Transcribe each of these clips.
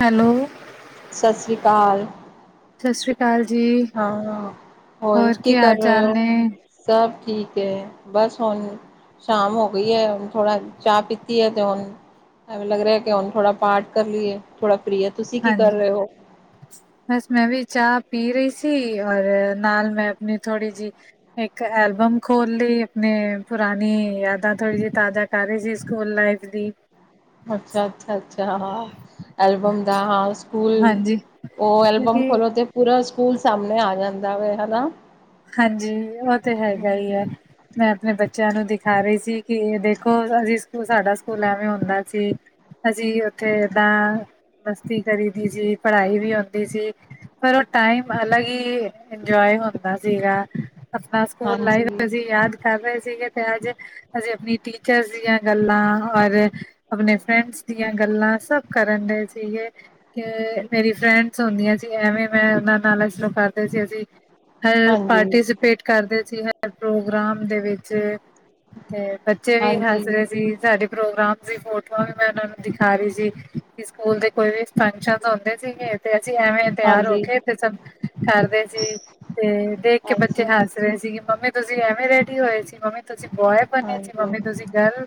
Hello! ਸਤਿ ਸ੍ਰੀ ਅਕਾਲ। ਸਤਿ ਸ੍ਰੀ ਅਕਾਲ ਜੀ। ਹਾਂ-ਹਾਂ, ਹੋਰ, ਕੀ ਹਾਲ ਕਰ ਰਹੇ ਚਾਲ ਹੋ? ਨੇ? ਸਭ ਠੀਕ ਏ, ਬਸ ਹੁਣ ਸ਼ਾਮ ਹੋ ਗਈ ਏ, ਹੁਣ ਥੋੜਾ ਚਾਹ ਪੀਤੀ ਐ, ਤੇ ਹੁਣ ਐਵੇਂ ਲੱਗ ਰਿਹਾ, ਕਿ ਹੁਣ ਥੋੜਾ ਪਾਠ ਕਰ ਲੀਏ, ਥੋੜਾ ਫ੍ਰੀ ਏ, ਤੁਸੀਂ ਕੀ ਕਰ ਹਾਂਜੀ, ਰਹੇ ਹੋ? ਬਸ ਮੈਂ ਵੀ ਚਾਹ ਪੀ ਰਹੀ ਸੀ, ਔਰ ਨਾਲ ਮੈਂ ਆਪਣੀ ਥੋੜ੍ਹੀ ਜਿਹੀ ਇੱਕ ਐਲਬਮ ਖੋਲ ਲਈ, ਆਪਣੀ ਪੁਰਾਣੀ ਯਾਦਾਂ ਥੋੜੀ ਜਿਹੀ ਤਾਜ਼ਾ ਸਾਰੇ ਜੀ, ਸਕੂਲ ਲਾਈਫ ਦੀ। ਅੱਛਾ-ਅੱਛਾ, ਅੱਛਾ, ਹਾ। ਐਲਬਮ ਦਾ ਹਾਂ ਸਕੂਲ, ਹਾਂਜੀ, ਉਹ ਐਲਬਮ ਕਿਉਂਕਿ ਖੋਲੋ ਤੇ ਪੂਰਾ ਸਕੂਲ ਸਾਹਮਣੇ ਆ ਜਾਂਦਾ ਵੇ, ਹਨਾ। ਹਾਂਜੀ, ਉਹ ਤੇ ਹੈਗਾ ਈ, ਹੈ। ਮੈਂ ਆਪਣੇ ਬੱਚਿਆਂ ਨੂੰ ਦਿਖਾ ਰਹੀ ਸੀ, ਕਿ ਦੇਖੋ ਅਸੀਂ, ਸਕੂ ਸਾਡਾ ਸਕੂਲ ਐਵੇਂ ਹੁੰਦਾ ਸੀ। ਅਸੀਂ ਉੱਥੇ, ਏਦਾਂ ਮਸਤੀ ਕਰੀ ਦੀ ਸੀ, ਪੜ੍ਹਾਈ ਵੀ ਹੋਂਦੀ ਸੀ। ਪਰ ਉਹ ਟਾਈਮ ਅਲੱਗ ਹੀ, ਇੰਜੋਏ ਹੁੰਦਾ ਹੂੰਦਾ ਸੀਗਾ, ਆਪਣਾ ਸਕੂਲ ਹਾਂਜੀ ਲਾਈਫ ਅਸੀਂ ਯਾਦ ਕਰ ਰਹੇ ਸੀਗੇ, ਤੇ ਅੱਜ ਅਸੀਂ ਆਪਣੀ ਟੀਚਰਸ ਦੀਆਂ ਗੱਲਾਂ, ਔਰ ਆਪਣੇ ਫਰੈਂਡਸ ਦੀਆਂ ਗੱਲਾਂ, ਸਭ ਕਰਨ ਡਏ ਸੀਗੇ। ਤੇ ਮੇਰੀ ਫਰੈਂਡਸ ਹੁੰਦੀਆਂ ਸੀ, ਐਵੇਂ ''ਮੈਂ ਉਹਨਾਂ ਨਾਲ ਇਸ ਰਾਂ ਕਰਦੇ ਸੀ, ਅਸੀ। ਹੇਅ ਹਾਂਜੀ ਪਾਰਟੀਸਿਪੇਟ ਕਾਰਦੇ ਸੀ, ਹਾਰ ਪ੍ਰੋਗਰਾਮ ਦੇ ਵਿੱਚ। ਤੇ ਬੱਚੇ ਵੀ ਹਾਂਜੀ ਹੱਸ ਰਏ ਸੀ ਸਾਡੇ। ਪ੍ਰੋਗਰਾਮ ਦੀ ਫੋਟੋਵਾਂ ਵੀ ਮੈਂ ਏਨਾਂ ਨੂੰ ਦਿਖਾ ਰਹੀ ਸੀ, ਕਿ ਸੂਕੂਲ ਦੇ ਕੋਈ ਵੀ ਫੰਕਸ਼ਨਸ ਹੁੰਦੇ ਸੀਗੇ। ਤੇ ਅਸੀ ਐਵੇਂ ਤੇਆਰ ਹੋ ਹਾਂਜੀ ਕੇ, ਤੇ ਸਬ ਕਾਰਦੇ ਸੀ, ਤੇ ਦੇਖ ਕੇ ਬੱਚੇ ਹਾਂਜੀ ਹੱਸ ਰੇ ਸੀ ਕਿ ਮੰਮੀ ਤੂਸੀ ਐਵੇਂ ਰੈਡੀ ਹੋਏ ਸੀ, ਮੰਮੀ ਤੂਸੀ ਬੋਏ ਬਨੇ ਸੀ, ਹਾਂਜੀ ਮੰਮੀ ਤੂਸੀ ਗਰਲ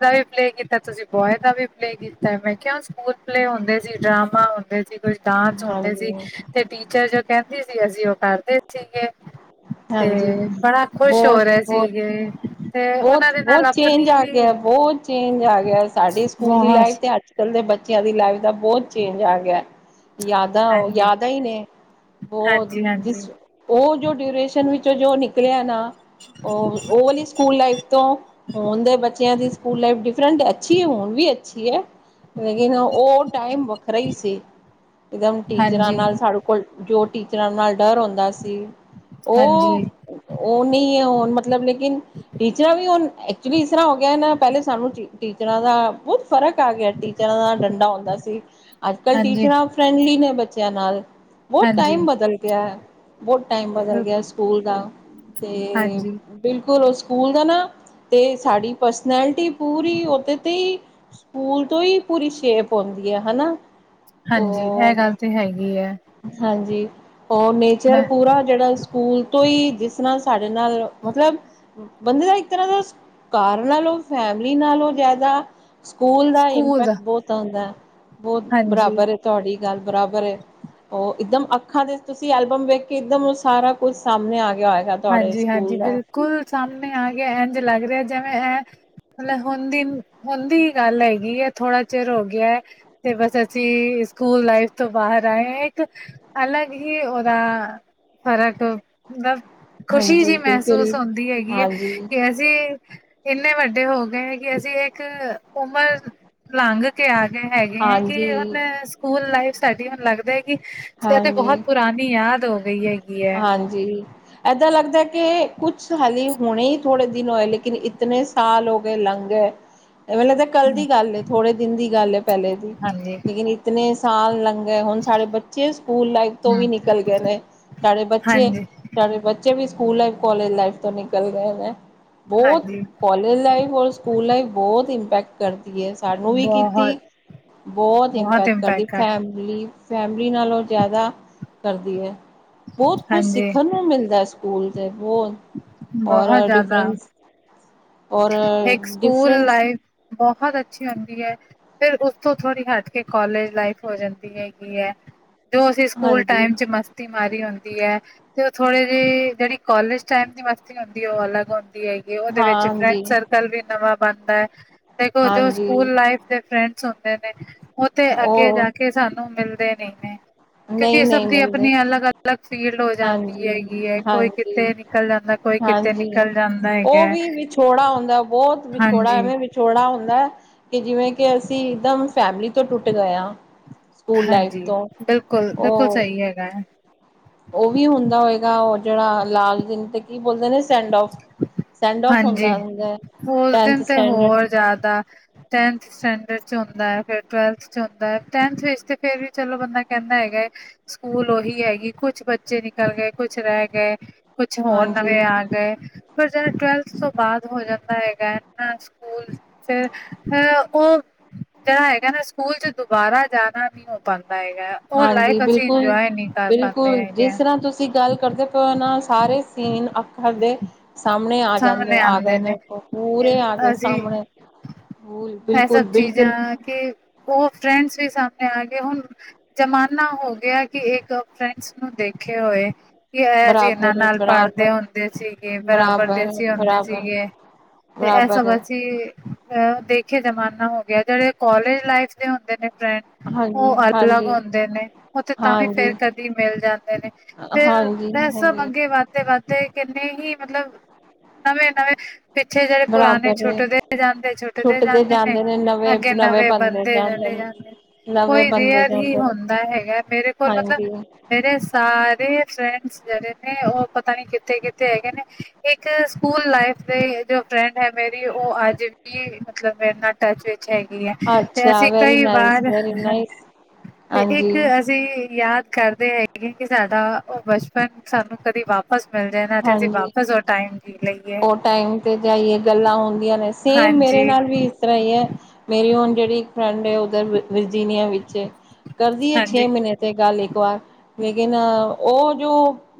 ਦਾ ਵੀ ਪਲੇਅ ਕੀਤਾ, ਤੁਸੀ ਬੋਏ ਦਾ ਵੀ ਪਲੇ ਕੀਤੇ, ਮੈਂ ਕੇਆ ਸੂਕੂਲ ਪਲੇਅ ਹੋਂਦੇ ਸੀ, ਡਰਾਮਾ ਹੋਂਦੇ ਸੀ। ਕੁਛ ਡਾਂਸ ਹੋਂਦੇ ਸੀ, ਹਾਂਜੀ ਤੇ ਟੀਚਰ ਜੋ ਕੈਂਦੀ ਸੀ, ਅਸੀ ਓ ਕਾਰਦੇ ਸੀਗੇ। ਹਾਂਜੀ ਤੇ ਬੜਾ ਖੁਸ਼ ਹੋ ਰੇ ਸੀਗੇ। ਤੇ ਬੋਤ, ਉਹਨਾਂ ਦੇ ਨਾਲ ਬੋਤ ਚੇਂਜ ਆਪਣੀ ਆ ਵੀ ਗੇਆ, ਬੋਤ ਚੇਂਜ ਆ ਗੇਆ, ਸਾਡੀ ਸੂਕੂਲ ਦੀ ਵਾਜ ਲਾਈਫ਼ ਤੇ ਅੱਜ ਕੱਲ ਦੇ ਬੱਚੇਆਂ ਦੀ ਲਾਈਵ ਦਾ ਬੋਤ ਚੇਂਜ ਆ ਗੇਐ। ਯਾਦਾਂ ਓ ਹਾਂਜੀ, ਯਾਦਾਂ ਈ ਨੇ ਬੋਤ ਹਾਂਜੀ, ਹਾਂਜੀ। ਜਿਸ ਓ ਜੋ ਡਿਊਰੇਸ਼ਨ ਵਿੱਚੋਂ ਜੋ ਨਿਕਲੇਆ ਨਾ ਓ, ਓ ਵਲੀ ਸੂਕੂਲ ਲਾਈਫ ਤੋਂ, ਹੋਨ ਦੇ ਬੱਚੇਆਂ ਦੀ ਸੂਕੂਲ ਲਾਈਫ ਡਿਫਰੈਂਟ, ਅੱਛੀ ਏ ਹੁਨ ਵੀ ਅੱਛੀ ਏ। ਲੇਕਿਨ ਓ ਟਾਈਮ ਵੱਖਰਾ ਈ ਸੀ, ਇਕਦਮ ਟੀਚਰਾਂ ਹਾਂਜੀ, ਨਾਲ ਸਾੜੁ ਕੋਲ ਜੋ ਟੀਚਰਾਂ ਨਾਲ ਡਰ ਹੋਂਦਾ ਸੀ, ਓ ਹਾਂਜੀ, ਓ ਨੀ ਏ ਹੂਨ ਮਤਲਬ ਲੇਕਿਨ ਟੀਚਰਾਂ ਵੀ ਹੁਨ ਏ ਐਕਚੁਲੀ ਇਸ ਤਰਾਂ ਹੋ ਗੇਆ ਨਾ, ਪੈਲੇ ਸਾਨੂੰ ਟੀ, ਟੀਚਰਾਂ ਦਾ ਬੂ ਫ਼ਰਕ ਆ ਗੇਆ, ਟੀਚਰਾਂ ਦਾ ਡੰਡਾ ਹੁੰਦਾ ਸੀ, ਅੱਜ-ਕੱਲ ਹਾਂਜੀ, ਟੀਚਰਾਂ ਫਰੈਂਡਲੀ ਨੇ ਬੱਚੇਆਂ ਨਾਲ। ਬੋਤ ਹਾਂਜੀ ਟਾਈਮ ਬਦਲ ਗੇਆ ਐ, ਬੋਤ ਟਾਈਮ ਬਦਲ ਗੇਆ ਬਿਲਕੁਲ ਸਕੂਲ ਦਾ, ਤੇ ਹਾਂਜੀ। ਬਿਲਕੁਲ ਓ ਸੂਕੂਲ ਦਾ ਨਾ, ਤੇ ਸਾਡੀ ਪਰਸਨੈਲਿਟੀ ਪੂਰੀ ਓਦੇ ਤੇ ਈ ਸੂਕੂਲ ਤੋ ਈ ਪੂਰੀ ਸ਼ੇਪ ਹੋਂਦੀ ਏ, ਹਨਾ। ਹਾਂਜੀ, ਐ ਉਹ ਗਾੱਲ ਤੇ ਹੈਗੀ ਐ ਹਾਂਜੀ, ਹੋਰ ਨੇਚਰ ਮੈਂ ਪੂਰਾ ਜੇੜਾ ਸੂਕੂਲ ਤੋ ਈ, ਜਿਸ ਤਰਾਂ ਸਾਡੇ ਨਾਲ ਮਤਲਬ ਬੰਦੇ ਦਾ ਇੱਕ ਤਰਾਂ ਦਾ ਘਾਰ ਨਾਲੋਂ, ਫੈਮਿਲੀ ਨਾਲੋਂ ਜਾਦਾ ਸੂਕੂਲ ਦਾ ਇੰਪੈਕਟ ਬੋਤ ਆਂਦੈ, ਬੋਤ ਹਾਂਜੀ। ਬਰਾਬਰ ਏ ਤੂਆਡੀ ਗਾੱਲ, ਬਰਾਬਰ ਏ। ਓ ਇਕਦਮ ਅੱਖਾਂ ਦੇ, ਤੂਸੀ ਐਲਬਮ ਵੇਖ ਕੇ, ਇਕਦਮ ਓ ਸਾਰਾ ਕੁੱਛ ਸਾਮਨੇ ਆ ਗੇਆ ਹੋਏਗਾ। ਤੁਹਾਡੇ ਹਾਂਜੀ, ਹਾਂਜੀ ਸਕੂਲ ਦਾ ਬਿਲ ਕੁਲ ਸਾਮਨੇ ਆਗੇਐ, ਐਂਜ ਲਾੱਗ ਰੇਆ ਜੇਵੇਂ ਐ, ਮਲਬ ਹੁਨ ਦੀ ਹੁਨ ਦੀ ਗਾੱਲ ਹੈਗੀ ਏ ਥੋੜਾ ਚਿਰ ਹੋ ਗੇਐ, ਤੇ ਬਸ ਅਸੀ ਸੂਕੂਲ ਲਾਈਫ਼ ਤੋਂ ਬਾਹਰ ਆਏ ਆਂ ਇੱਕ ਅਲਗ ਹੀ ਓਦਾ ਫ਼ਰਕ, ਮਲਬ ਖੁਸ਼ੀ ਹਾਂਜੀ ਜੀ ਬਿਲਕੁਲ ਮੈਹਸੂਸ ਹੋਂਦੀ ਹੈਗੀ ਏ, ਹਾਂਜੀ ਕਿ ਅਸ ਜੀ ਇੰਨੇ ਵੱਡੇ ਹੋ ਗਏ, ਕਿ ਅਸੀ ਏੱਕ ਉਮਰ ਲੰਘ ਕੇ ਆ ਗਏ ਹੈਗੇ ਐਂ, ਕਿ ਹਾਂਜੀ ਹੁਨ ਸੂਕੂਲ ਲਾਈਫ਼ ਸਾਡੀ ਹੁਨ ਲੱਗਦਾ ਐ ਕਿ [unintelligible] ਤੇ ਹਾਂਜੀ ਬੋਹਤ ਪੁਰਾਨੀ ਯਾਦ ਹੋ ਗਈ ਹੈਗੀ ਐ। ਜੀ। ਐਦਾਂ ਲਗਦੈ ਕਿ, ਕੁਛ ਹਲੀ ਹੂਣੇ ਈ ਥੋੜੇ ਦਿਨ ਹੋਏ, ਲੇਕਿਨ ਇਤਨੇ ਸਾਲ ਹੋ ਗਏ, ਲੰਘ ਗਏ। ਐਂਵੇ ਲਗਦੈ ਕੱਲ ਦੀ ਗਾੱਲ ਏ, ਥੋੜੇ ਦਿਨ ਦੀ ਗਾੱਲ ਏ ਪੈਲੇ ਦੀ, ਹਾਂਜੀ ਲੇਕਿਨ ਇਤਨੇ ਸਾਲ ਲੰਘ ਗਏ ਹੋਨ ਸਾਡੇ ਬੱਚੇ ਚੇ ਸੂਕੂਲ ਲਾਈਫ ਤੋਂ ਵੀ ਹਮ ਨਿਕਲ ਗਏ ਨੇ, ਸਾਡੇ ਬੱਚੇ ਹਾਂਜੀ ਸਾਡੇ ਬੱਚੇ ਵੀ ਸੂਕੂਲ ਲਾਈਫ, ਕਾਲੇਜ ਲਾਈਫ ਤੋ ਨਿਕਲ ਗਏ ਨੇ, ਬੋਤ ਹਾਂਜੀ [unintelligible] ਲਾਈਫ ਔਰ ਸੂਕੂਲ ਲਾਈਫ ਬੋਤ ਇੰਪੈਕਟ ਕਰਦੀ ਐ, ਸਾਨੂੰ ਵੀ ਕੀਤੀ, ਬਹੁਤ ਬੋਤ ਬਹੁਤ ਇੰਪੈਕਟ ਕਰਦੀ ਕਰ ਫੈਮਲੀ, ਫੈਮ ਮਲੀ ਨਾਲੋ ਜਾਦਾ ਕਰਦੀ ਐ। ਬੋਤ ਕੁਛ ਹਾਂਜੀ ਸਿੱਖਨ ਨੂੰ ਮਿਲਦੈ ਸੂਕੂਲ ਤੇ ਬੋਤ ਔਰਾ, ਡਿਫਰੈਂਸ। ਔਰ ਏੱਕ ਸੂਕੂਲ ਡਿਫਰੈਂਸ ਲਾਈਫ ਬੋਹਤ ਅੱਛੀ ਹੁੰਦੀ ਏ। ਫਿਰ ਉਸਤੋ ਥੋੜੀ ਹਟ ਕੇ ਕੋਲੇਜ ਲਾਈਫ ਹੋ ਜਾਂਦੀ ਹੈਗੀ ਐ। ਜੋ ਅਸੀ ਸੂਕੂਲ ਹਾਂਜੀ ਟਾਈਮ ਚ ਮਸਤੀ ਮਾਰੀ ਹੋਂਦੀ ਐ ਤੇ ਉਹ ਥੋੜੇ ਜਿਹੇ ਜਿਹੜੀ ਕਾੱਲੇਜ ਟਾਈਮ ਦੀ ਮਸਤੀ ਹੁੰਦੀ ਉਹ ਅਲੱਗ ਹੁੰਦੀ ਹੈਗੀ, ਉਹਦੇ ਵਿੱਚ ਫਰੈਂਡ ਹਾਂਜੀ ਸਰਕਲ ਵੀ ਨਵਾਂ ਬਣਦਾ ਹੈ, ਦੇਖੋ ਜੋ ਹਾਂਜੀ ਸਕੂਲ ਲਾਈਫ ਦੇ ਫਰੈਂਡਸ ਹੁੰਦੇ ਨੇ ਉਹ ਤੇ ਅੱਗੇ ਉਹ ਜਾ ਕੇ ਸਾਨੂੰ ਮਿਲਦੇ ਨਹੀਂ ਨੇ, ਕਿਉਂਕਿ ਨਹੀਂ ਇਹ ਸਭ ਨਹੀਂ ਦੀ ਮਿਲਦੇ ਆਪਣੀ ਅਲੱਗ ਅ ਅਲੱਗ ਫੀਲਡ ਹੋ ਜਾਂਦੀ ਹਾਂਜੀ ਹੈਗੀ ਹੈ, ਕੋਈ ਕਿਤੇ ਹਾਂਜੀ ਨਿਕਲ ਜਾਂਦਾ, ਕੋਈ ਕਿਤੇ ਨਿਕਲ ਜਾਂਦਾ ਹੈਗਾ ਹੈ ਵੀਛੋੜਾ ਹੁੰਦਾ ਬਹੁਤ ਵੀਛੋੜਾ ਐਵੇਂ ਵੀਛੋੜਾ ਹੁੰਦਾ, ਕਿ ਜਿਵੇਂ ਕਿ ਅਸੀਂ ਇੱਕਦਮ ਫੈਮਿਲੀ ਤੋਂ ਟੁੱਟ ਗਏ ਆਂ ਹਾਂਜੀ ਬਿਲਕੁਲ ਬਿਲਕੁਲ ਉਹ ਸਹੀ ਹੈਗਾ ਹੈ ਉਹ ਵੀ ਹੁੰਦਾ ਹੋਏਗਾ, ਉਹ ਜਿਹੜਾ ਲਾਸਟ ਦਿਨ ਤੇ ਕੀ ਬੋਲਦੇ ਨੇ ਸੈਂਡ ਔਫ ਸੈਂਡ ਔਫ ਹਾਂਜੀ ਹੁੰਦਾ ਹੁੰਦਾ ਹੈ ਉਸ ਟੈਨਥ ਦਿਨ ਤੇ ਹੋਰ ਸਟੈਂਡਰਡ ਜ਼ਿਆਦਾ, ਟੈਂਥ ਸਟੈਂਡਰਡ ਚ ਹੁੰਦਾ ਹੈ ਫਿਰ ਟਵੈਲਥ ਚ ਹੁੰਦਾ ਹੈ, ਟੈਨਥ ਵਿੱਚ ਫੇਰ ਵੀ ਚਲੋ ਬੰਦਾ ਕਹਿੰਦਾ ਹੈਗਾ ਹੈ ਸਕੂਲ ਉਹੀ ਹੈਗੀ, ਕੁਛ ਬੱਚੇ ਨਿਕਲ ਗਏ, ਕੁਛ ਰਹਿ ਗਏ, ਕੁਛ ਹੋਰ ਹਾਂਜੀ ਨਵੇਂ ਆ ਪਰ ਜਿਹੜਾ ਟਵਲਥ ਤੋਂ ਬਾਅਦ ਹੋ ਜਾਂਦਾ ਹੈਗਾ ਸਕੂਲ ਫਿਰ ਉਹ ਜਿਹੜਾ ਹੈਗਾ ਨਾ ਸਕੂਲ ਚ ਦੁਬਾਰਾ ਜਾਣਾ ਨ ਹੋ ਪਾਉਂਦਾ ਹੈਗਾ ਉਹ ਹਾਂਜੀ ਲਾਈਫ ਅਸੀਂ ਬਿਲਕੁਲ ਇੰਜੋਏ ਨਹੀਂ ਕਰ ਪਾਦੇ ਹੈਗੇ ਆ ਅਸੀਂ ਗੱਲ ਕਰਦੇ ਪਏ ਔ ਨਾ, ਸਾਰੇ ਸੇਮ ਅੱਖਰ ਦੇ ਸਾਹਮਣੇ ਆ ਜਾਂਦੇ ਸਾਹਮਣੇ ਆ ਗਏ ਆਉਂਦੇ ਨੇ, ਔ ਤੇ ਪੂਰੇ ਆ ਗਏ ਅਸੀਂ ਸਾਹਮਣੇ ਹੂ ਇਹ ਸਭ ਬਿਲਕੁਲ ਬਿਲਕੁਲ ਚੀਜ਼ਾਂ ਕਿ ਉਹ ਫਰੈਂਡਸ ਵੀ ਸਾਹਮਣੇ ਆ ਗਏ, ਹੁਣ ਜ਼ਮਾਨਾ ਹੋ ਗਿਆ ਕਿ ਇੱਕ ਫਰੈਂਡਸ ਨੂੰ ਦੇਖੇ ਹੋਏ ਕਿ ਇਹੋ ਜ ਇਹਨਾਂ ਬਰਾਬਰ ਹੈ ਨਾਲ ਪੜ੍ਹਦੇ ਬਰਾਬਰ ਹੁੰਦੇ ਸੀਗੇ ਬਰਾਬ ਬਰਾਬਰ ਹੈ ਪਰਦੇਸੀਂ ਆਉਂਦੇ ਬਰਾਬਰ ਸੀਗੇ, ਤੇ ਇਹ ਸਭ ਬਰਾਬਰ ਹੈ ਅਸੀਂ ਅ ਦੇਖੇ ਜ਼ਮਾਨਾ ਹੋ ਗਿਆ, ਜਿਹੜੇ ਕਾੱਲੇਜ ਲਾਈਫ ਦੇ ਹੁੰਦੇ ਨੇ ਹਾਂਜੀ ਉਹ ਅਲੱਗ ਹਾਂਜੀ ਹੁੰਦੇ ਨੇ ਉਹਥੇ ਤਾਂ ਵੀ ਹਾਂਜੀ ਫਿਰ ਕਦੀ ਮਿਲ ਜਾਂਦੇ ਨੇ ਫਿਰ ਹਾਂਜੀ ਏਹ ਸਬ ਹਾਂਜੀ ਅਗੇ ਵਧਤੇ ਵਧਤੇ, ਕਿੰਨੇ ਹੀ ਮਤਲਬ ਨਵੇਂ-ਨਵੇਂ ਪਿੱਛੇ ਜਿਹੜੇ ਪੁਰਾਣੇ ਬਰਾਬਰ ਹੈ ਛੁੱਟਦੇ ਜਾਂਦੇ, ਛੁੱਟਦੇ ਜਾਂਦੇ ਨੇ, ਅੱਗੇ ਨਵੇਂ ਬਣਦੇ ਜਾਂਦੇ ਜਾਂਦੇ, ਨਵੇਂ ਕੋਈ ਬੰਦੇ ਰਅਰ ਹੀ ਜਾਂਦੇ ਹੁੰਦਾ ਨੇ ਹੈਗਾ, ਮੇਰੇ ਕੋਲ ਮਤਲਬ ਹਾਂਜੀ ਮੇਰੇ ਸਾਰੇ ਫਰੈਂਡਸ ਜਿਹੜੇ ਨੇ, ਉਹ ਪਤਾ ਨੀ ਕਿੱਥੇ ਕਿੱਥੇ ਹੈਗੇ ਨੇ ਇੱਕ ਸਕੂਲ ਲਾਈਫ ਦੇ, ਜੋ ਫਰੈਂਡ ਹੈ ਮੇਰੀ ਉਹ ਅੱਜ ਕੀ ਮਤਲਬ ਮੇਰੇ ਨਾਲ ਟਚ ਵਿੱਚ ਹੈਗੀ ਤੇ ਅੱਛਾ ਅਸੀਂ ਵੈਰੀ ਕਈ ਨਾਈਸ ਵਾਰ, ਵੈਰੀ ਨਾਈਸ ਤੇ ਇੱਕ ਹਾਂਜੀ ਅਸੀਂ ਅਸੀਂ ਯਾਦ ਕਰਦੇ ਹੈਗੇ, ਕਿ ਸਾਡਾ ਉਹ ਬਚਪਨ ਸਾਨੂੰ ਕਦੇ ਵਾਪ ਵਾਪਸ ਮਿਲ ਜਾਏ ਨਾ, ਤੇ ਅਸੀਂ ਹਾਂਜੀ ਵਾਪਸ ਟਾਈਮ ਜੀ ਲਈਏ। ਉਹ ਟਾਈਮ ਤੇ ਜਾਈਏ ਗੱਲਾਂ ਹੁੰਦੀਆਂ ਨੇ, ਸੇਮ ਹਾਂਜੀ, ਮੇਰੇ ਨਾਲ ਵੀ ਇਸ ਤਰ੍ਹਾਂ ਹੈ, ਮੇਰੀ ਹੁਣ ਜੇੜੀ ਇੱਕ ਫਰੈਂਡ ਹੈ, ਉੱਧਰ ਵਰਜੀਨੀਆ ਵਿਚ ਹੈ, ਕਰਦੀ ਐ, ਹਾਂਜੀ, ਛੇ ਮਹੀਨੇ ਤੇ ਗੱਲ ਇੱਕ ਵਾਰ, ਲੇਕਿਨ ਉਹ ਜੋ,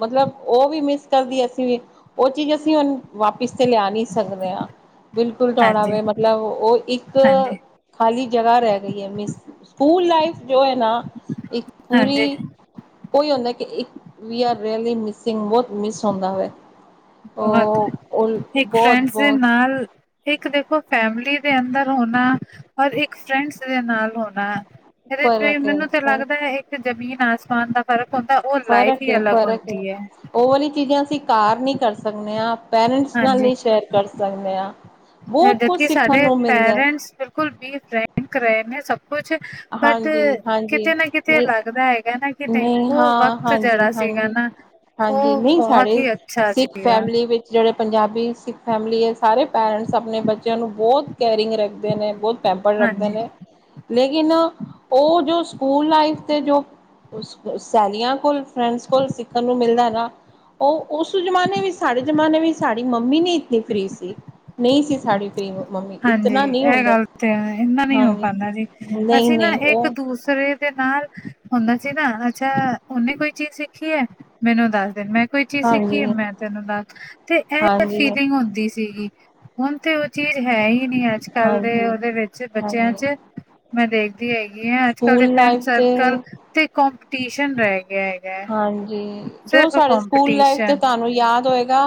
ਮਤਲਬ ਉਹ ਵੀ ਮਿਸ ਕਰਦੀ ਅਸੀਂ ਵੀ, ਉਹ ਚੀਜ਼ ਅਸੀਂ ਹੁਣ ਵਾਪਿਸ ਤੇ ਲਿਆ ਨਹੀਂ ਸਕਦੇ ਆਂ ਬਿਲਕੁਲ ਤੁਹਾਡਾ ਹਾਂਜੀ, ਵੈ ਮਤਲਬ, ਉਹ ਇੱਕ ਹਾਂਜੀ, ਖਾਲੀ ਜਗ੍ਹਾ ਰਹਿ ਗਈ ਹੈ ਮਿਸ ਸਕੂਲ ਲਾਈਫ ਜੋ ਹੈ ਨਾ, ਇੱਕ ਹਾਂਜੀ ਪੂਰੀ ਕੋਈ ਹੁੰਦਾ ਕਿ, ਇੱਕ ਆਰ ਰਿਅਲੀ ਮਿਸਿੰਗ ਬ ਮਿਸ ਹੁੰਂਦਾ ਹੋ ਬਹੁਤ, ਇੱਕ ਫਰੈਂਡਸ ਬਹੁਤ-ਬਹੁਤ ਨਾਲ ਇੱਕ ਦੇਖੋ ਫੈਮਿਲੀ ਦੇ ਅੰਦਰ ਹੋਣਾ ਹੋਰ ਇੱਕ ਫਰੈਂਡਸ ਦੇ ਨਾਲ ਹੋਣਾ, ਇਹਦੇ ਏਹੀ ਫ਼ਰਕ ਹੁੰਦਾ, ਹੈ, ਮੈਨੂੰ ਤੇ ਲੱਗਦਾ ਹੈ ਫਿਰ ਜਮੀਨ ਆਸਮਾਨ ਦਾ ਫ਼ਰਕ ਹੁੰਦਾ, ਉਹ ਲਾਈਫ ਫ਼ਰਕ ਹੀ ਹੈ, ਅਲੱਗ ਫ਼ਰਕ ਹੁੰਦੀ ਹੈ ਉਹ ਵਾਲੀ ਚੀਜ਼ਾਂ ਅਸੀਂ ਘਾਰ ਨਹੀਂ ਕਰ ਸਕਨੇ ਆਂ, ਪੇਰੈਂਟਸ ਨਾਲ ਹਾਂਜੀ ਨਹੀਂ ਸ਼ੇਅਰ ਕਰ ਸਕਨੇ ਆਂ ਜਦਕਿ ਸਾਡੇ ਪੇਰੈਂਟਸ ਬਿਲਕੁਲ ਵੀ ਫਰੈਂਕ ਰਹੇ ਨੇ, ਸਭ ਕੁਛ ਬਟ ਹਾਂਜੀ-ਹਾਂਜੀ। ਕਿਤੇ ਨਾ ਕਿਤੇ ਨਹੀਂ, ਲੱਗਦਾ ਹੈਗਾ ਨਾ ਕਿ ਨਹੀਂ, ਉਹ ਹਾਂ, ਵਕਤ ਜਿਹੜਾ ਸੀਗਾ ਹਾਂਜੀ-ਹਾਂਜੀ। ਨਾ ਹਾਂਜੀ ਉਹ ਨਹੀਂ ਬਹੁਤ ਸਾਡੇ ਹੀ ਅੱਛਾ ਸਿੱਖ ਸੀਗਾ ਫੈਮਿਲੀ ਵਿੱਚ ਜਿਹੜੇ ਪੰਜਾਬੀ ਸਿੱਖ ਫੈਮਿਲੀ ਹੈ ਸਾਰੇ ਪੈਰੈਂਟਸ ਆਪਣੇ ਬੱਚਿਆਂ ਨੂੰ ਬਹੁਤ ਕੇਅਰਿੰਗ ਰੱਖਦੇ ਨੇ ਬਹੁਤ ਪੈਂਪਰ ਰੱਖਦੇ ਹਾਂਜੀ ਨੇ ਲੇਕਿਨ ਉਹ ਜੋ ਸਕੂਲ ਲਾਈਫ ਤੇ ਜੋ ਸੈਲੀਆਂ ਕੋਲ ਫਰੈਂਡਸ ਕੋਲ ਸਿੱਖਣ ਨੂੰ ਮਿਲਦਾ ਨਾ ਉਹ ਉਸ ਜਮਾਨੇ ਵਿੱਚ ਸਾਡੇ ਜ਼ਮਾਨੇ ਵਿੱਚ ਸਾਡੀ ਮੰਮੀ ਨੀ ਇਤਨੀ ਫਰੀ ਸੀ। ਨਹੀਂ ਸੀ ਸਾੜੀ ਹਾਂਜੀ ਇਹ ਗੱਲ ਤੇ ਇੰਨਾ ਨੀ ਹੋ ਹਾਂਜੀ ਪਾਉਂਦਾ ਜੀ ਨਹੀਂ ਅਸੀ ਨਾ ਨਹੀਂ ਇੱਕ ਉਹ ਦੂਸਰੇ ਦੇ ਨਾਲ ਹੁੰਦਾ ਸੀ ਨਾ ਅੱਛਾ ਉਹਨੇ ਕੋਈ ਚੀਜ਼ ਸਿੱਖੀ ਹੈ ਮੈਨੂੰ ਦੱਸ ਦਿ ਮੈਂ ਕੋਈ ਚੀਜ਼ ਸਿੱਖੀ ਹਾਂਜੀ ਹੈ ਮੈਂ ਤੈਨੂੰ ਨਾਲ ਤੇ ਇਹ ਹਾਂਜੀ ਫੀਲਿੰਗ ਹੁੰਦੀ ਸੀਗੀ। ਹੁਣ ਤੇ ਉਹ ਚੀਜ਼ ਹੈ ਹੀ ਨੀ ਅੱਜ ਕੱਲ ਦੇ ਹਾਂਜੀ ਉਹਦੇ ਵਿੱਚ ਬੱਚਿਆ ਹਾਂਜੀ ਚ। ਮੈਂ ਦੇਖਦੀ ਹੈਗੀ ਹ ਅੱਜ ਕੱਲ ਦੇ ਸਕੂਲ ਫਰੈਂਡ ਲਾਈਫ ਤੇ ਸਰਕਲ ਤੇ ਕਪੀਟੀਸ਼ਨ ਰਹਿ ਗਿਆ ਹੈ। ਹੈਗਾ ਹਾਂਜੀ ਜੋ ਸਿਰਫ ਸਾਡੇ ਸਕੂਲ ਲਾਈਫ ਤੇ ਕਪੀਟੀਸ਼ਨ ਤੁਹਾਨੂੰ ਯਾਦ ਹੋਏਗਾ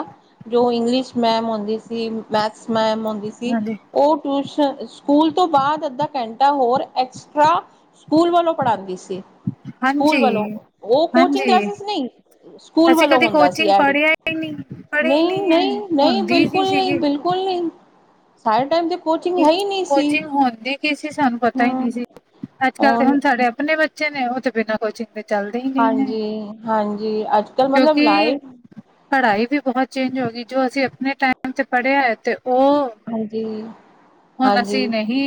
ਜੋ ਇੰਗਲਿਸ਼ ਮੈਮ ਹੁੰਦੀ ਸੀ, ਮੈਥਸ ਮੈਮ ਹੁੰਦੀ ਸੀ ਹਾਂਜੀ ਉਹ ਟਿਊਸ਼ਨ ਸਕੂਲ ਤੋਂ ਬਾਦ ਅੱਧਾ ਘੰਟਾ ਹੋਰ ਐਕਸਟ ਸਕੂਲ ਵੱਲੋਂ ਪੜਾਂਦੀ ਸੀ। ਸਕੂਲ ਵੱਲੋਂ ਹਾਂਜੀ ਉਹ ਕੋਚਿੰਗ ਹਾਂਜੀ ਕਲਾਸਿਸ ਨਹੀਂ ਸਕੂਲ ਅਸੀਂ ਵੱਲੋਂ ਕਦੇ ਹੁੰਦਾ ਸੀ ਕੋਚਿੰਗ ਐਡ ਪੜ੍ਹਿਆ ਹੀ ਨਹੀਂ ਪੜ੍ਹੇ ਹੀ ਨਹੀਂ ਹੈ ਨਈ-ਨਈ। ਨਹੀ ਹੁੰਦੀ ਨਹੀਂ ਬਿਲਕੁਲ ਨਹੀ ਸੀਗੀ ਬਿਲਕੁਲ ਨਹੀ। ਸਾਰੇ ਟਾਈਮ ਤੇ ਕੋਚਿੰਗ ਹੈ ਹੀ ਨਹੀ ਸੀ ਕੋਚਿੰਗ ਹੁੰਦੀ ਕੀ ਸੀ ਸਾਨੂੰ ਪਤਾ ਹੀ ਹਮ। ਨਹੀਂ ਸੀ ਅੱਜ ਕੱਲ੍ਹ ਤੇ ਹੁਣ ਸਾਡੇ ਆਪਣੇ ਬੱਚੇ ਨੇ ਉਹ ਤੇ ਬਿਨਾਂ ਕੋਚਿੰਗ ਦੇ ਚੱਲਦੇ ਹੀ ਨਹੀਂ ਨੇ ਹਾਂਜੀ-ਹਾਂਜੀ ਅੱਜ ਕੱਲ੍ਹ ਮਤਲਬ ਕਿਉਂਕਿ ਲਾਈਫ ਪੜ੍ਹਾਈ ਵੀ ਬਹੁਤ ਚੇਂਜ ਹੋ ਗਈ ਜੋ ਅਸੀ ਆਪਣੇ ਟਾਈਮ ਤੇ ਪੜ੍ਹਿਆ ਹੈ ਤੇ ਉਹ ਹਾਂਜੀ ਹੁਨ ਹਾਂਜੀ ਅਸੀ ਨੇ ਹੀ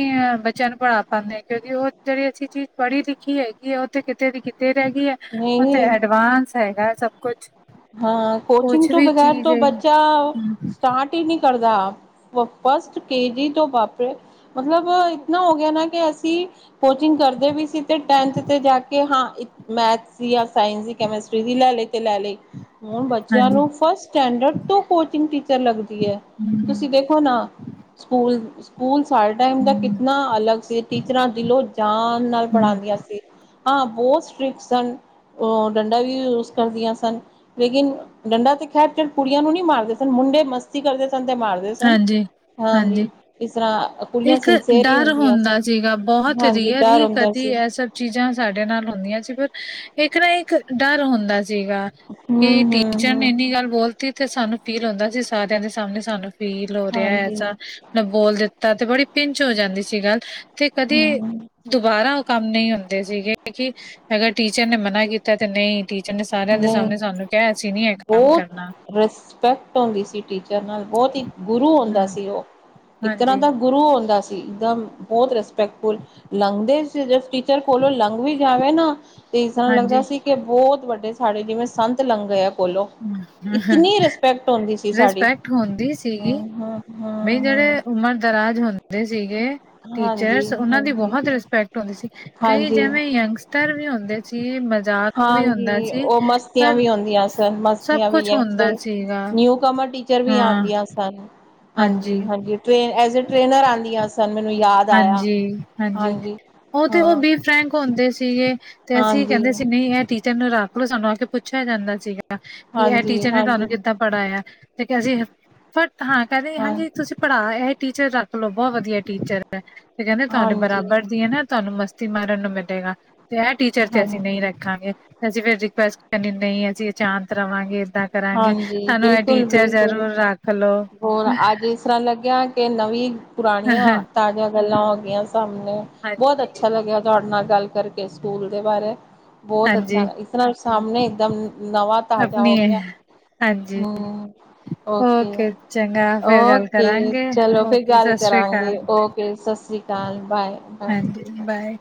ਬੱਚਿਆ ਨੂੰ ਪੜ੍ਹਾ ਪਾਦੇ ਕਿਉਂਕਿ ਉਹ ਜਿਹੜੀ ਅਸੀ ਚੀਜ਼ ਪੜ੍ਹੀ ਲਿਖੀ ਹੈਗੀ ਹੈ ਉਹ ਤੇ ਕਿਤੇ ਵੀ ਕਿਤੇ ਰਹਿ ਗਈ ਹੈ। ਹੁਣ ਤੇ ਨਹੀਂ ਐਡਵਾਂਸ ਹੈਗਾ ਸਭ ਕੁਛ। ਹਾਂ ਕੋਚਿੰਗ ਕੁਛ ਤੋਂ ਵੀ ਬਗੈਰ ਚੀਜ਼ ਤੋ ਹੈ ਬੱਚਾ ਸਟਾਰਟ ਈ ਨੀ ਕਰਦਾ। ਫਸਟ ਕੇਜੀ ਤੋ ਵਾਪਰੇ ਮਤਲਬ ਇਤਨਾ ਹੋ ਗਿਆ ਨਾ ਕਿ ਅਸੀਂ ਕੋਚਿੰਗ ਕਰਦੇ ਵੀ ਸੀ ਤੇ ਟੈਂਥ ਤੇ ਜਾ ਕੇ ਹਾਂ ਮੈਥ ਦੀ ਜਾ ਸਾਇੰਸ ਦੀ, ਕੈਮਿਸਟਰੀ ਦੀ ਲੈਲੇ ਤੇ ਲੈ ਲੀ। ਹੁਣ ਬੱਚਿਆ ਨੂੰ ਫਸਟ ਸਟੈਂਡਰਡ ਤੋਂ ਕੋਚਿੰਗ ਟੀਚਰ ਲੱਗਦੀ ਐ ਤੁਸੀ ਹਾਂਜੀ ਦੇ ਹਨਾ ਸਕੂਲ ਸਕੂਲ ਸਾਡੇ ਟਾਈਮ ਦਾ ਕਿਤਨਾ ਅਲੱਗ ਸੀ ਟੀਚਰਾਂ ਦਿਲੋਂ ਜਾਨ ਨਾਲ ਪੜਾਂਦੀਆ ਸੀ। ਹਾਂ ਬਹੁਤ ਸਟਰ੍ਰਿਕ ਸਨ ਡੰਡਾ ਵੀ ਯੂਜ ਕਰਦੀਆ ਸਨ। ਲੇਕਿਨ ਡੰਡਾ ਤੇ ਖੈਰ ਚ ਕੁੜੀਆ ਨੂੰ ਨੀ ਮਾਰਦੇ ਸਨ ਮੁੰਡੇ ਮਸ ਤੀ ਕਰਦੇ ਸਨ ਤੇ ਮਾਰਦੇ ਸਨ ਹਾਂਜੀ, ਹਾਂਜੀ ਇਸ ਤਰ੍ਹਾ ਇੱਕ ਡਰ ਹੁੰਦਾ ਸੀਗਾ ਬਹੁਤ ਹਾਂਜੀ ਰੀਅਰ ਡਰ ਹੀ ਹੁੰਦਾ ਕਦੀ ਸੀ ਐਸ ਚੀਜ਼ਾਂ ਸਾਡੇ ਨਾਲ ਹੁੰਦੀਆ ਸੀ ਪਰ ਇੱਕ ਨਾ ਇੱਕ ਡਰ ਹੁੰਦਾ ਸੀਗਾ। ਹੂੰ ਕਿ ਹੂੰ ਟੀਚਰ ਨੇ ਹੂੰ ਇੰਨੀ ਗੱਲ ਬੋਲ ਤੇ ਸਾਨੂੰ ਫੀਲ ਹੁੰਦਾ ਸੀ ਸਾਰਿਆ ਦੇ ਸਾਹਮਣੇ ਸਾਨੂੰ ਫੀਲ ਹੋ ਰਿਹਾ ਹਾਂਜੀ ਐਸਾ ਬੋਲ ਦਿੱ ਤਾ ਤੇ ਬੜੀ ਪਿੰਚ ਹੋ ਜਾਂਦੀ ਸੀ ਗੱਲ ਤੇ ਕਦੇ ਹੂੰ ਦੁਬਾਰਾ ਉਹ ਕੰਮ ਨੀ ਹੁੰਦਾ ਸੀਗੇ ਕਿ ਅਗਰ ਟੀਚਰ ਨੇ ਮਨਾ ਕੀਤਾ ਤੇ ਨਹੀ ਨਹੀ ਇਹ ਕੰਮ ਕਰਨਾ। ਬੋਹਤ ਰਿਸਪੈਕਟ ਹੁੰਦੀ ਸੀ ਟੀਚਰ ਨਾਲ ਬੋਹਤ ਹੀ ਗੁਰੂ ਹੁੰਦਾ ਹੂੰ, ਸੀ ਉਹ। ਇੱਕ ਤਰ੍ਹਾਂ ਹਾਂਜੀ। ਦਾ ਗੁਰੂ ਹੁੰਦਾ ਸੀ ਇੱਕਦਮ ਬੋਤ ਰਿਸਪੈਕਟਫੁਲ। ਲੰਘਦੇ ਸੀ ਜੇ ਟੀਚਰ ਕੋੋਲੋ ਲੰਘ ਵੀ ਜਾਵੇ ਨਾ ਤੇ ਇਸਰਾ ਲੱਗਦਾ ਹਾਂਜੀ। ਸੀ ਕਿ ਬੋਤ ਵੱਡੇ ਸਾਡੇ ਜਿਵੇਂ ਸੰਤ ਲੰਗ ਗਿਆ ਕੋਲੋ। ਇਤਨੀ ਰਿਸਪੈਕਟ ਹੁੰਦੀ ਸੀ ਸਾਡੀ। ਨਹੀ ਹਮ ਹਮ ਜੇੜੇ ਉਮਰ ਦਰਾਜ ਹੁੰਦੇ ਸੀਗੇ। ਹਾਂਜੀ ਟੀਚਰਸ ਓਨਾ ਦੀ ਹਾਂਜੀ ਬੋਹਤ ਰਿਸਪੈਕਟ ਹੁੰਦੀ ਸੀ ਕਈ ਹਾਂਜੀ ਜਿਵੇਂ ਯੰਗਸ ਧਰ ਵੀ ਹੁੰਦੇ ਸੀ ਮ ਹਾਂਜੀ ਓ ਮਸਤੀਆਂ ਵੀ ਓਂਦੀਆ ਸਨ ਸਭ ਮਸਤੀਆਂ ਵੀ ਕੁਛ ਯੰਗਸਟਰ ਹੁੰਦਾ ਸੀਗਾ ਨਿਊ ਕਮਰ ਟੀਚ। ਚ ਵੀ ਹਾਂ ਆਂਦੀਆਂ ਸਨ ਹਾਂਜੀ ਹਾਂਜੀ ਟ੍ਰੇਨ ਐਜ ਏ ਟ੍ਰੇਨਰ ਆਂਦੀਆਂ। ਸਨ ਮੈਨੂੰ ਯਾ ਹਾਂਜੀ ਹਾਂਜੀ ਓ ਤੇ ਓ ਹਾਂ ਬੀ ਫ੍ਰੈਂਕ ਕ ਹੁੰਦੇ ਸੀਗੇ ਤੇ ਅਸੀਂ ਹਾਂਜੀ ਕੈਂਦੇ ਸੀ ਨਈ ਏ ਟੀਚਰ ਨੂੰ ਰਖਲੋ ਸਾਨੂੰ ਆ ਕੇ ਪੁੱਛਿਆ ਜਾਂਦਾ ਸੀਗਾ। ਕੀ ਐ ਹਾਂਜੀ ਟੀਚਰ ਨੇ ਤੁਹਾਨੂੰ ਹਾਂਜੀ ਕਿੱਦਾਂ ਪੜ੍ਹਾਇਆ ਤੇ ਅਸੀ ਫਟ ਹਾਂ ਕੈਦੇ ਹਾਂ ਹਾਂਜੀ ਤੁਸੀਂ। ਪੜ੍ਹਾ ਏ ਟੀਚਰ ਰੱਖ ਲੋ ਬੋ ਵਧੀਆ ਟੀਚਰ ਐ ਤੇ ਕੈਂਦੇ ਤੁਹਾਡੇ ਹਾਂਜੀ ਬਰਾਬਰ ਦੀਆਂ ਨਾ ਤੁਹਾਨੂੰ ਮਸ। ਮਸਤੀ ਮਾਰਨ ਨੂੰ ਮਿਲੇਗਾ ਤੇ ਐ ਟੀਚਰ ਤੇ ਅਸੀਂ ਹਾਂਜੀ ਨਈ ਰੱ ਖਾਂਗੇ ਤੇ ਅਸੀਂ ਫਿਰ ਰਿਕੁਐਸ ਕਰਨੀ ਨਈ ਅਸੀਂ ਅਚਾਂਤ ਰਵਾਂਗੇ ਏਦਾਂ। ਕਰਾਂਗੇ ਹਾਂਜੀ ਸਾਨੂੰ ਏ ਬਿਲਕੁਲ ਟੀਚਰ ਬਿਲਕੁਲ ਜ਼ਰੂਰ ਰੱਖ ਲੋ। ਹੋਰ ਅੱਜ ਇਸ ਤਰ੍ਹਾਂ ਲੱਗਿਆ ਕਿ ਨਵੀਂ ਪੁਰਾਣੀਆਂ ਤਾਜ਼ਾ ਗੱਲਾਂ ਹੋਗੀਆਂ ਸਾਮਣੇ ਬੋਤ ਹਾਂਜੀ ਅੱਛਾ ਲੱਗਿਆ ਤੁਹਾਡੇ ਨਾਲ ਗੱਲ ਕਰਕੇ ਸਕੂਲ ਦੇ ਬਾਰੇ। ਬੋਤ ਅੱਛਾ ਹਾਂਜੀ ਇਸ ਤਰ੍ਹਾਂ ਸਾਹਣੇ ਇੱਕਦਮ ਨਵਾਂ ਤਾਜ਼ਾ ਹੋ ਆਪਣੀ ਹੈ ਗਿਆ। ਹਾਂਜੀ ਹੂੰ। ਓਕੇ ਚੰਗਾ ਫਿਰ ਗੱਲ ਓਕੇ ਕਰਾਂਗੇ ਚਲੋ ਫਿਰ ਓਕੇ ਗੱਲ ਸਤਿ ਸ੍ਰੀ ਕਰਾਂਗੇ ਅਕਾਲ ਓਕੇ ਸਸੀ। ਤਲ ਬਾਏ [unintelligible] ਹਾਂਜੀ ਬਾਏ।